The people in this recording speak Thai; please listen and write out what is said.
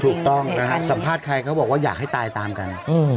ถูกต้องนะฮะสัมภาษณ์ใครเขาบอกว่าอยากให้ตายตามกัน